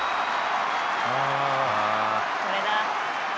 「これだ！」